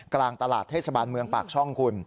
กลางตลาดเทศบาลเมืองปากช่องคุณ